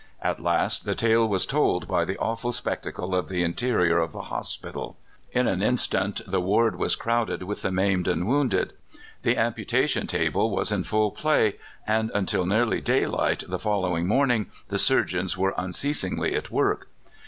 At last the tale was told by the awful spectacle of the interior of the hospital. In an instant the ward was crowded with the maimed and wounded. The amputation table was in full play, and until nearly daylight the following morning the surgeons were unceasingly at work.